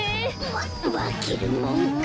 ままけるもんか！